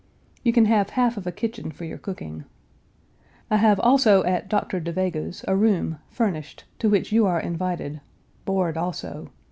You can have half of a kitchen for your cooking. I have also at Dr. Da Vega's, a room, furnished, to which you are invited (board, also).